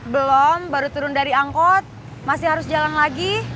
belum baru turun dari angkot masih harus jalan lagi